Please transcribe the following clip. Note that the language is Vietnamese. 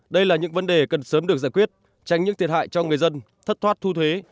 đây là những vấn đề cần sớm được giải quyết tránh những thiệt hại cho người dân thất thoát thu thuế